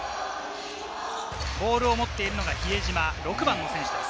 ボールを持っているのが比江島、６番の選手。